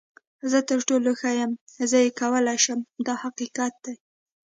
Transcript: زه تر ټولو ښه یم، زه یې کولی شم دا حقیقت دی.